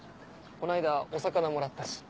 この間お魚もらったし。